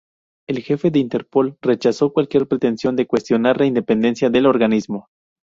El jefe de Interpol rechazó cualquier pretensión de cuestionar la independencia del organismo.